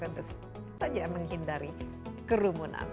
tentu saja menghindari kerumunan